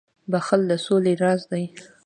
• بخښل د سولي راز دی.